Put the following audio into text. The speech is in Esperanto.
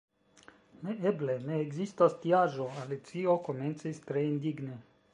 "Neeble, ne ekzistas tiaĵo," Alicio komencis tre indigne.